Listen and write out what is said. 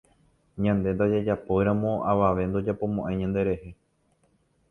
Ñande ndajajapóiramo avave ndojapomoʼãi ñanderehe.